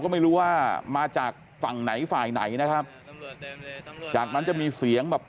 ก็ไม่รู้ว่ามาจากฝั่งไหนฝ่ายไหนนะครับจากนั้นจะมีเสียงแบบ